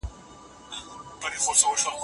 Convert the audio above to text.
فيوډالي نظام بايد له منځه تللی وای.